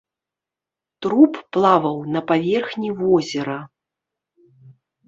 Труп плаваў на паверхні возера.